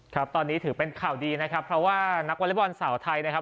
ครับตอนนี้ถือเป็นข่าวดีนะครับเพราะว่านักวอเล็กบอลสาวไทยนะครับ